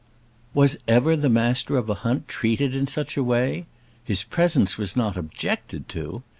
Was ever the Master of a hunt treated in such a way! His presence not objected to!